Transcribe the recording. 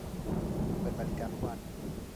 เปิดบริการทุกวัน